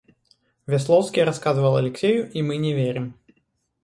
Весловский рассказывал Алексею, и мы не верим.